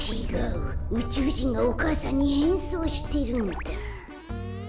うちゅうじんがお母さんにへんそうしてるんだ。